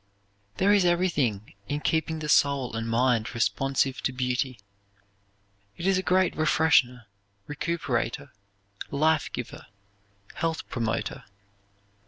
There is everything in keeping the soul and mind responsive to beauty. It is a great refreshener, recuperator, life giver, health promoter.